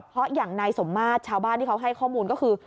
เพราะอย่างนายสมมาตรชาวบ้านที่เขาให้ข้อมูลก็คือ